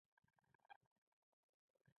نور نو له اصلي خطر له دایرې نه وتلي وو.